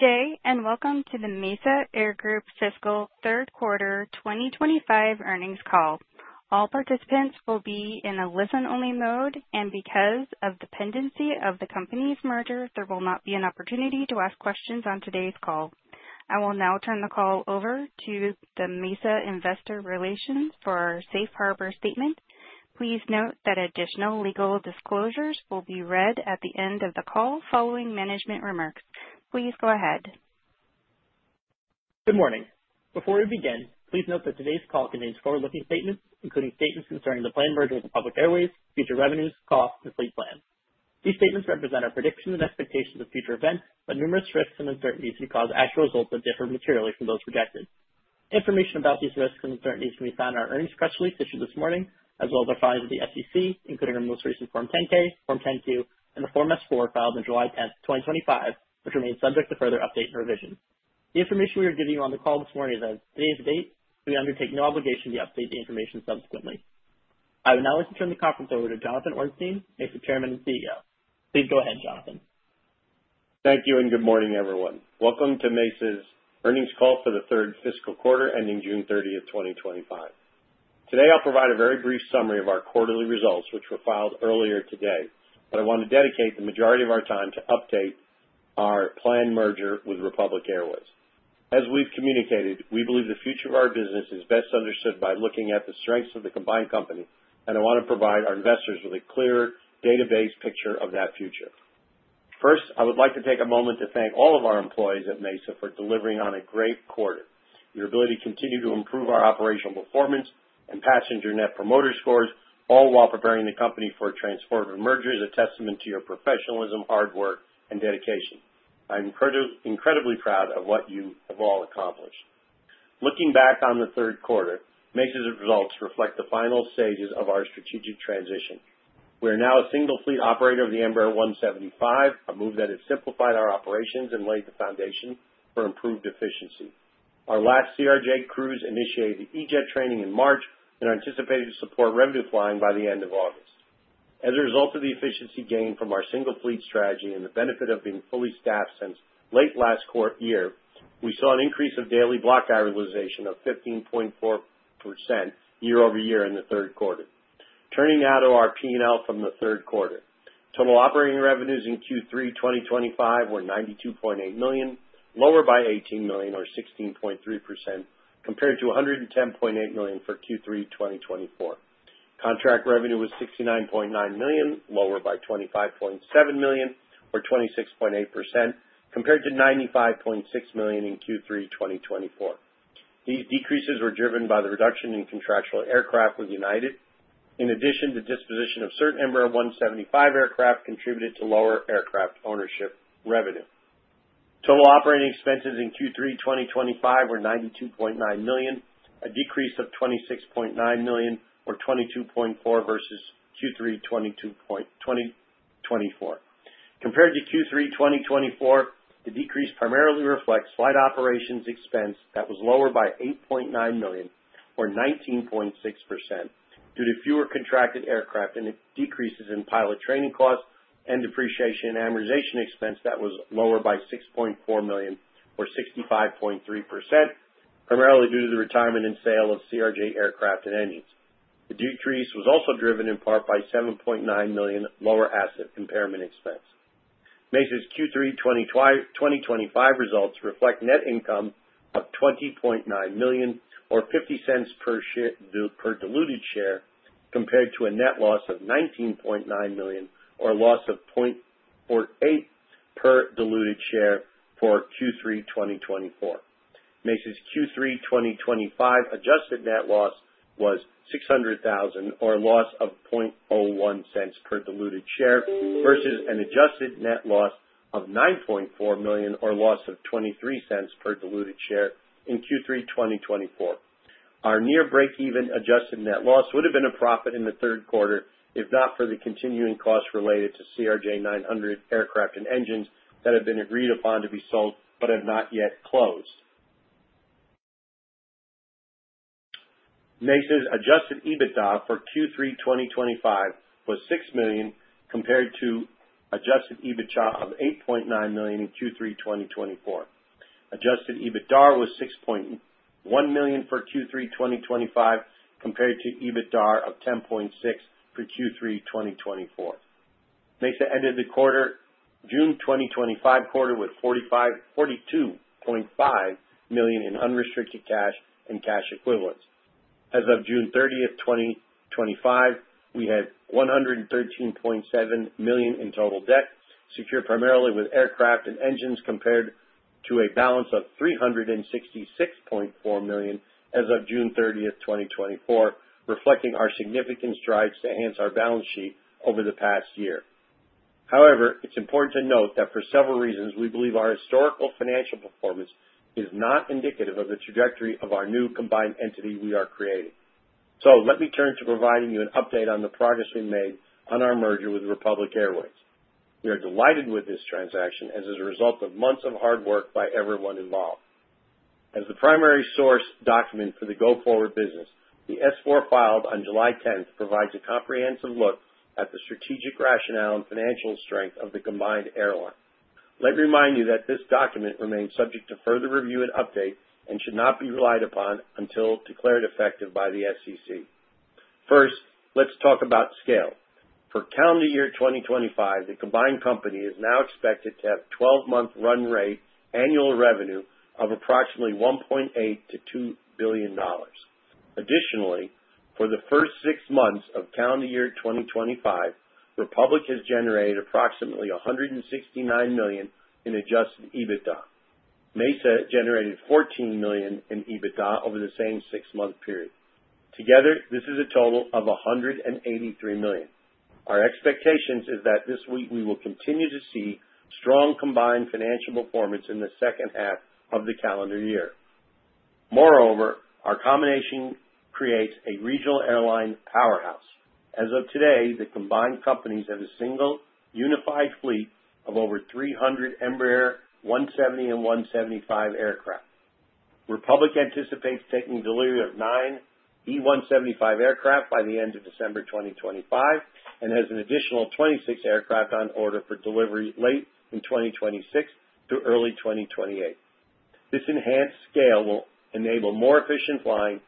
Good day and welcome to the Mesa Air Group fiscal third quarter 2025 earnings call. All participants will be in a listen-only mode, and because of the pendency of the company's merger, there will not be an opportunity to ask questions on today's call. I will now turn the call over to the Mesa Investor Relations for a safe harbor statement. Please note that additional legal disclosures will be read at the end of the call following management remarks. Please go ahead. Good morning. Before we begin, please note that today's call contains forward-looking statements, including statements concerning the planned merger with Republic Airways, future revenues, costs, and fleet plans. These statements represent our predictions and expectations of future events, but numerous risks and uncertainties can cause actual results that differ materially from those projected. Information about these risks and uncertainties can be found in our earnings press release issued this morning, as well as our filings with the SEC, including our most recent Form 10-K, Form 10-Q, and the Form S-4 filed on July 10th, 2025, which remains subject to further update and revision. The information we are giving you on the call this morning is as of today's date, so we undertake no obligation to update the information subsequently. I would now like to turn the conference over to Jonathan Ornstein, Mesa Chairman and CEO. Please go ahead, Jonathan. Thank you and good morning, everyone. Welcome to Mesa's earnings call for the third fiscal quarter ending June 30th, 2025. Today, I'll provide a very brief summary of our quarterly results, which were filed earlier today, but I want to dedicate the majority of our time to update our planned merger with Republic Airways. As we've communicated, we believe the future of our business is best understood by looking at the strengths of the combined company, and I want to provide our investors with a clear database picture of that future. First, I would like to take a moment to thank all of our employees at Mesa for delivering on a great quarter. Your ability to continue to improve our operational performance and passenger net promoter scores, all while preparing the company for a transformative merger, is a testament to your professionalism, hard work, and dedication. I'm incredibly proud of what you have all accomplished. Looking back on the third quarter, Mesa's results reflect the final stages of our strategic transition. We are now a single fleet operator of the Embraer 175, a move that has simplified our operations and laid the foundation for improved efficiency. Our last CRJ crews initiated E-Jet training in March and anticipated to support revenue flying by the end of August. As a result of the efficiency gain from our single fleet strategy and the benefit of being fully staffed since late last year, we saw an increase of daily block hour realization of 15.4% year-over-year in the third quarter. Turning now to our P&L from the third quarter, total operating revenues in Q3 2025 were $92.8 million, lower by $18 million, or 16.3%, compared to $110.8 million for Q3 2024. Contract revenue was $69.9 million, lower by $25.7 million, or 26.8%, compared to $95.6 million in Q3 2024. These decreases were driven by the reduction in contractual aircraft with United. In addition, the disposition of certain Embraer 175 aircraft contributed to lower aircraft ownership revenue. Total operating expenses in Q3 2025 were $92.9 million, a decrease of $26.9 million, or 22.4% versus Q3 2024. Compared to Q3 2024, the decrease primarily reflects flight operations expense that was lower by $8.9 million, or 19.6%, due to fewer contracted aircraft and decreases in pilot training costs and depreciation and amortization expense that was lower by $6.4 million, or 65.3%, primarily due to the retirement and sale CRJ-900 aircraft and engines. The decrease was also driven in part by $7.9 million lower asset impairment expense. Mesa's Q3 2025 results reflect net income of $20.9 million, or $0.50 per diluted share, compared to a net loss of $19.9 million, or a loss of $0.48 per diluted share for Q3 2024. Mesa's Q3 2025 adjusted net loss was $600,000, or a loss of $0.01 per diluted share versus an adjusted net loss of $9.4 million, or a loss of $0.23 per diluted share in Q3 2024. Our near break-even adjusted net loss would have been a profit in the third quarter if not for the continuing costs related to CRJ-900 aircraft and engines that have been agreed upon to be sold but have not yet closed. Mesa's adjusted EBITDA for Q3 2025 was $6 million, compared to adjusted EBITDA of $8.9 million in Q3 2024. Adjusted EBITDA was $6.1 million for Q3 2025, compared to EBITDA of $10.6 million for Q3 2024. Mesa ended the June 2025 quarter with $42.5 million in unrestricted cash and cash equivalents. As of June 30th, 2025, we had $113.7 million in total debt, secured primarily with aircraft and engines, compared to a balance of $366.4 million as of June 30th, 2024, reflecting our significant strides to enhance our balance sheet over the past year. However, it's important to note that for several reasons, we believe our historical financial performance is not indicative of the trajectory of our new combined entity we are creating. Let me turn to providing you an update on the progress we made on our merger with Republic Airways. We are delighted with this transaction as a result of months of hard work by everyone involved. As the primary source document for the go forward business, the S-4 filed on July 10th provides a comprehensive look at the strategic rationale and financial strength of the combined airline. Let me remind you that this document remains subject to further review and update and should not be relied upon until declared effective by the SEC. First, let's talk about scale. For calendar year 2025, the combined company is now expected to have 12-month run rate annual revenue of approximately $1.8 billion-$2 billion. Additionally, for the first six months of calendar year 2025, Republic has generated approximately $169 million in adjusted EBITDA. Mesa generated $14 million in EBITDA over the same six-month period. Together, this is a total of $183 million. Our expectation is that this week we will continue to see strong combined financial performance in the second half of the calendar year. Moreover, our combination creates a regional airline powerhouse. As of today, the combined companies have a single unified fleet of over 300 Embraer 170 and 175 aircraft. Republic anticipates taking delivery of nine E175 aircraft by the end of December 2025 and has an additional 26 aircraft on order for delivery late in 2026 through early 2028. This enhanced scale will enable more efficient flying,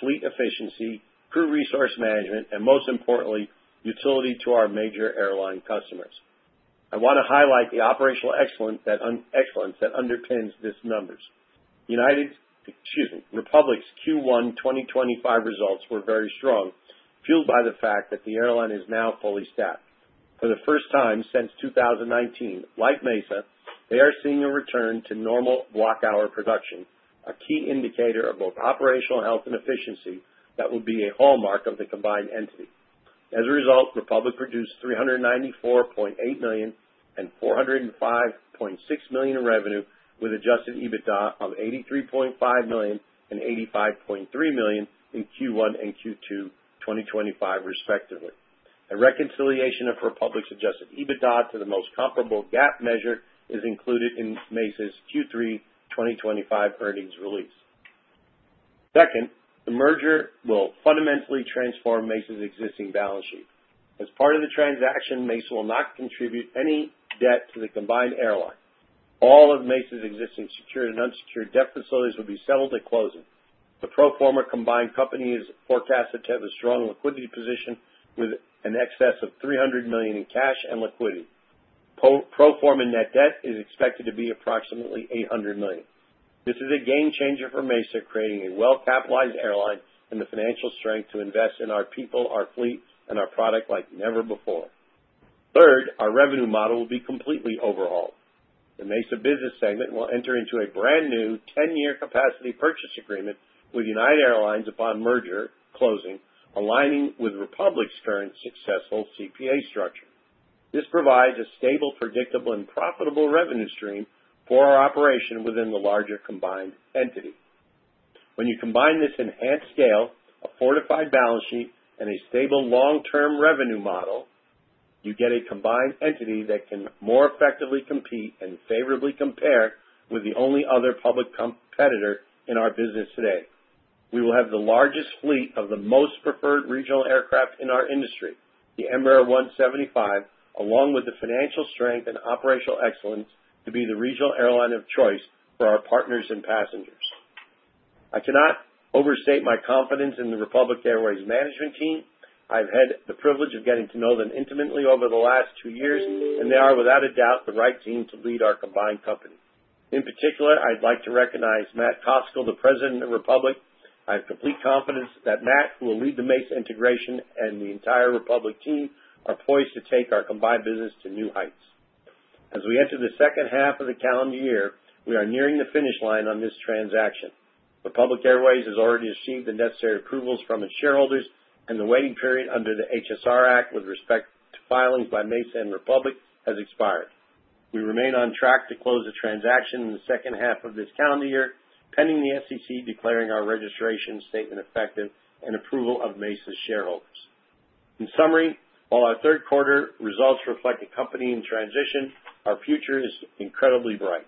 fleet efficiency, crew resource management, and most importantly, utility to our major airline customers. I want to highlight the operational excellence that underpins these numbers. United's—excuse me—Republic's Q1 2025 results were very strong, fueled by the fact that the airline is now fully staffed. For the first time since 2019, like Mesa, they are seeing a return to normal block hour production, a key indicator of both operational health and efficiency that would be a hallmark of the combined entity. As a result, Republic produced $394.8 million and $405.6 million in revenue with adjusted EBITDA of $83.5 million and $85.3 million in Q1 and Q2 2025, respectively. A reconciliation of Republic's adjusted EBITDA to the most comparable GAAP measure is included in Mesa's Q3 2025 earnings release. Second, the merger will fundamentally transform Mesa's existing balance sheet. As part of the transaction, Mesa will not contribute any debt to the combined airline. All of Mesa's existing secured and unsecured debt facilities will be settled at closing. The pro forma combined company is forecasted to have a strong liquidity position with an excess of $300 million in cash and liquidity. Pro forma net debt is expected to be approximately $800 million. This is a game changer for Mesa, creating a well-capitalized airline and the financial strength to invest in our people, our fleet, and our product like never before. Third, our revenue model will be completely overhauled. The Mesa business segment will enter into a brand new 10-year capacity purchase agreement with United Airlines upon merger closing, aligning with Republic's current successful CPA structure. This provides a stable, predictable, and profitable revenue stream for our operation within the larger combined entity. When you combine this enhanced scale, a fortified balance sheet, and a stable long-term revenue model, you get a combined entity that can more effectively compete and favorably compare with the only other public competitor in our business today. We will have the largest fleet of the most preferred regional aircraft in our industry, the Embraer 175, along with the financial strength and operational excellence to be the regional airline of choice for our partners and passengers. I cannot overstate my confidence in the Republic Airways management team. I've had the privilege of getting to know them intimately over the last two years, and they are without a doubt the right team to lead our combined company. In particular, I'd like to recognize Matt Koscal, the President of Republic. I have complete confidence that Matt, who will lead the Mesa integration and the entire Republic team, are poised to take our combined business to new heights. As we enter the second half of the calendar year, we are nearing the finish line on this transaction. Republic Airways has already achieved the necessary approvals from its shareholders, and the waiting period under the HSR Act with respect to filings by Mesa and Republic has expired. We remain on track to close the transaction in the second half of this calendar year, pending the SEC declaring our registration statement effective and approval of Mesa's shareholders. In summary, while our third quarter results reflect a company in transition, our future is incredibly bright.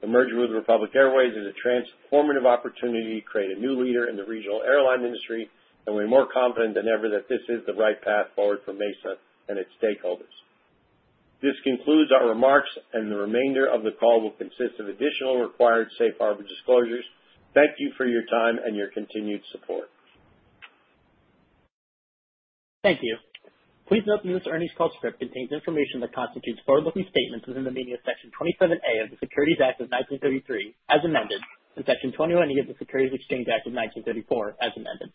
The merger with Republic Airways is a transformative opportunity to create a new leader in the regional airline industry, and we're more confident than ever that this is the right path forward for Mesa and its stakeholders. This concludes our remarks, and the remainder of the call will consist of additional required safe harbor disclosures. Thank you for your time and your continued support. Thank you. Please note that this earnings call script contains information that constitutes forward-looking statements within the meaning of Section 27A of the Securities Act of 1933, as amended, and Section 21E of the Securities Exchange Act of 1934, as amended.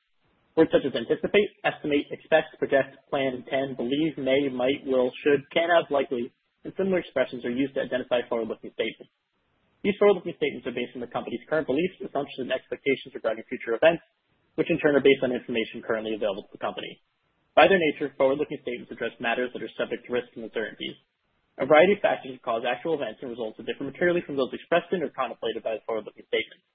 Words such as anticipate, estimate, expect, project, plan, intend, believe, may, might, will, should, can, have, likely, and similar expressions are used to identify forward-looking statements. These forward-looking statements are based on the company's current beliefs, assumptions, and expectations regarding future events, which in turn are based on information currently available to the company. By their nature, forward-looking statements address matters that are subject to risks and uncertainties. A variety of factors cause actual events and results to differ materially from those expressed in or contemplated by the forward-looking statements.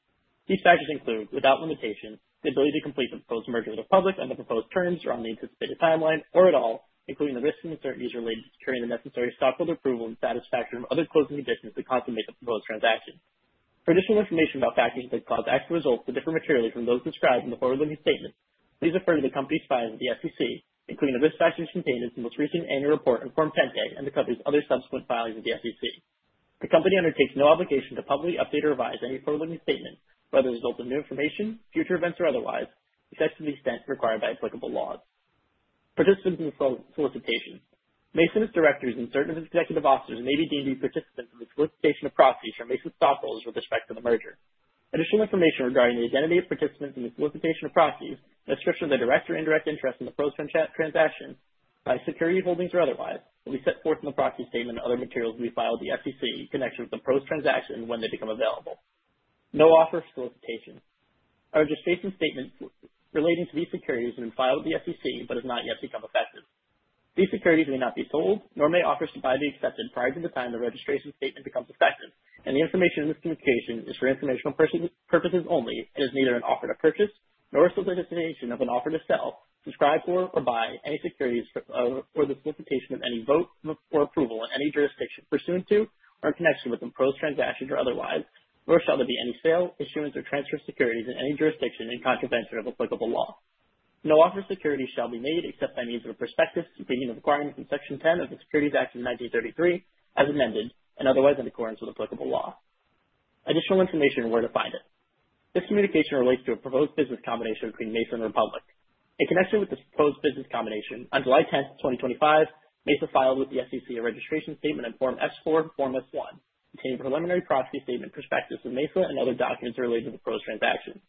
These factors include, without limitation, the ability to complete the proposed merger with Republic on the proposed terms or on the anticipated timeline, or at all, including the risks and uncertainties related to securing the necessary stockholder approval and satisfaction of other closing conditions that consummate the proposed transaction. For additional information about factors that cause actual results to differ materially from those described in the forward-looking statement, please refer to the company's filings with the SEC, including the risk factors contained in its most recent annual report, in Form 10-K, and the company's other subsequent filings with the SEC. The company undertakes no obligation to publicly update or revise any forward-looking statement, whether it results in new information, future events, or otherwise, except as required by applicable laws. Participants in the solicitation. Mesa and its directors and certain of its executive officers may be deemed to be participants in the solicitation of proxies for Mesa's stockholders with respect to the merger. Additional information regarding the identity of participants in the solicitation of proxies and description of the direct or indirect interest in the proposed transaction by security holdings or otherwise will be set forth in the proxy statement and other materials we file with the SEC in connection with the proposed transaction when they become available. No offer for solicitation. A registration statement relating to these securities has been filed with the SEC but has not yet become effective. These securities may not be sold, nor may offers to buy be accepted prior to the time the registration statement becomes effective, and the information in this communication is for informational purposes only and is neither an offer to purchase nor a solicitation of an offer to sell, subscribe for, or buy any securities or the solicitation of any vote or approval in any jurisdiction pursuant to or in connection with the proposed transactions or otherwise, nor shall there be any sale, issuance, or transfer of securities in any jurisdiction in contravention of applicable law. No offer for securities shall be made except by means of a prospectus subject to Section 10 of the Securities Act of 1933, as amended, and otherwise in accordance with applicable law. Additional information where to find it. This communication relates to a proposed business combination between Mesa and Republic. In connection with this proposed business combination, on July 10th, 2025, Mesa filed with the SEC a registration statement in Form S-4, Form S-1, containing preliminary proxy statement prospectus of Mesa and other documents related to the proposed transaction.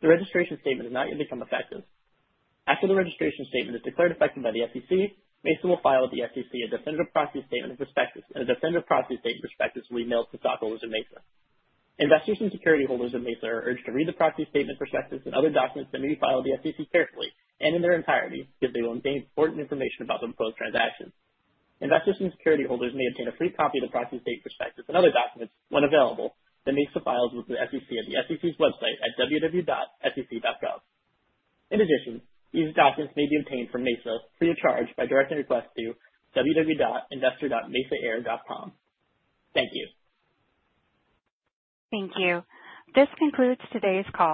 The registration statement has not yet become effective. After the registration statement is declared effective by the SEC, Mesa will file with the SEC a definitive proxy statement of prospectus, and a definitive proxy statement prospectus will be mailed to stockholders of Mesa. Investors and security holders of Mesa are urged to read the proxy statement prospectus and other documents that may be filed with the SEC carefully and in their entirety because they will contain important information about the proposed transaction. Investors and security holders may obtain a free copy of the proxy statement prospectus and other documents when available that Mesa files with the SEC at the SEC's website at www.sec.gov. In addition, these documents may be obtained from Mesa free of charge by directing requests to www.investor.mesa-air.com. Thank you. Thank you. This concludes today's call.